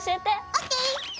ＯＫ！